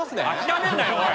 諦めんなよおい！